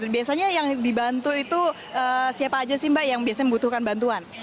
biasanya yang dibantu itu siapa aja sih mbak yang biasanya membutuhkan bantuan